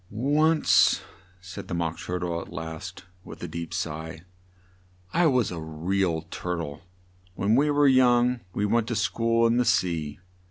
"Once," said the Mock Tur tle at last, with a deep sigh, "I was a re al Tur tle. When we were young we went to school in the sea.